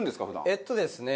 えっとですね